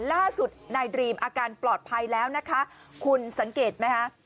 ล่าสุดนายดรีมอาการปลอดภัยแล้วนะคะคุณสังเกตไหมคะ